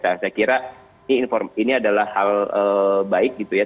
saya kira ini adalah hal baik gitu ya